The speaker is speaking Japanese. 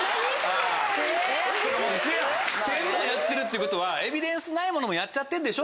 千もやってるってことはエビデンスないものもやっちゃってるでしょ？